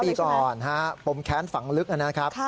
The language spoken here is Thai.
๒ปีก่อนปมแค้นฝังลึกอันนั้นครับ